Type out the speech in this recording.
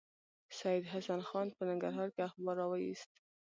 سید حسن خان په ننګرهار کې اخبار راوایست.